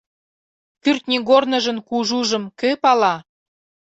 Кӱртньыгорныжын кужужым кӧ пала?